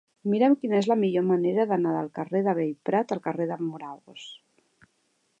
Mira'm quina és la millor manera d'anar del carrer de Bellprat al carrer dels Morabos.